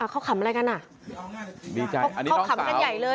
เค้าขำอะไรกัน